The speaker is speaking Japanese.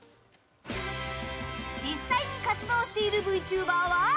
実際に活動しているＶＴｕｂｅｒは？